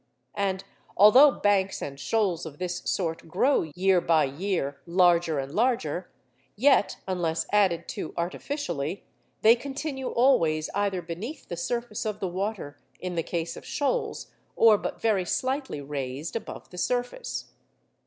And although banks and shoals of this sort grow year by year larger and larger, yet (unless added to artificially) they continue always either beneath the surface of the water in the case of shoals, or but very slightly raised above the surface.